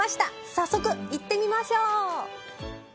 早速行ってみましょう。